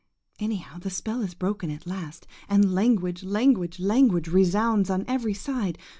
Anyhow the spell is broken at last, and language, language, language, resounds on every side!